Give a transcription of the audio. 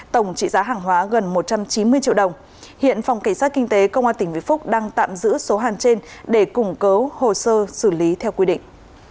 tổng trị giá hàng hóa gần một trăm chín mươi triệu đồng hiện phòng cảnh sát kinh tế công an tỉnh vĩnh phúc đang tạm giữ số hàng trên để củng cố hồ sơ xử lý theo quy định